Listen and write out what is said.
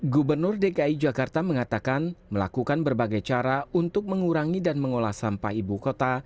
gubernur dki jakarta mengatakan melakukan berbagai cara untuk mengurangi dan mengolah sampah ibu kota